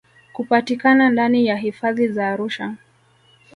kupatikana ndani ya hifadhi za Arusha